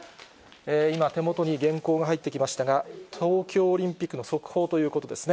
今、手元に原稿が入ってきましたが、東京オリンピックの速報ということですね。